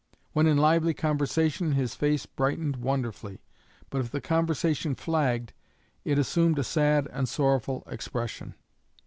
When in lively conversation his face brightened wonderfully, but if the conversation flagged it assumed a sad and sorrowful expression.